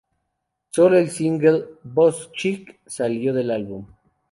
Solo el single "Boss Chick" salió del álbum.